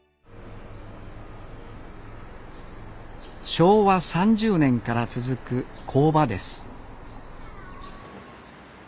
昭和３０年から続く工場です